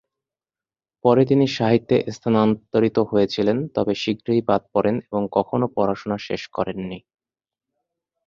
পরে তিনি সাহিত্যে স্থানান্তরিত হয়েছিলেন তবে শীঘ্রই বাদ পড়েন এবং কখনও পড়াশোনা শেষ করেননি।